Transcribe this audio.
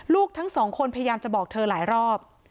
ลูกทั้งสองคนพยายามจะบอกเธอหลายรอบ